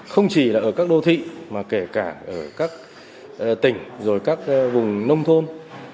không chỉ là ở các đô thị mà kể cả ở các tỉnh rồi các vùng nông thôn